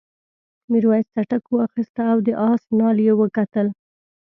میرويس څټک واخیست او د آس نال یې وکتل.